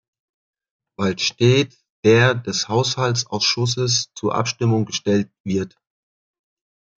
Weil stets der des Haushaltsausschusses zur Abstimmung gestellt wird.